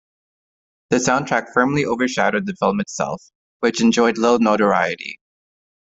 The soundtrack firmly overshadowed the film itself, which enjoyed little notoriety.